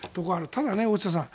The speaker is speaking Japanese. ただね、大下さん